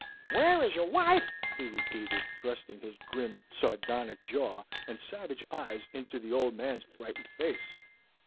"Where is your wife?" he repeated, thrusting his grim sardonic jaw and savage eyes into the old man's frightened face.